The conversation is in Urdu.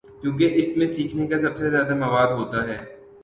کیونکہ اس میں سیکھنے کا سب سے زیادہ مواد ہو تا ہے۔